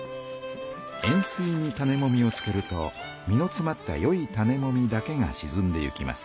塩水に種もみをつけると実のつまった良い種もみだけがしずんでいきます。